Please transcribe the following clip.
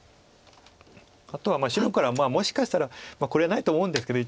あとは白からもしかしたらこれないと思うんですけど